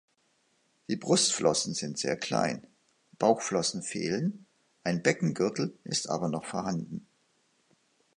Die Brustflossen sind sehr klein, Bauchflossen fehlen, ein Beckengürtel ist aber noch vorhanden.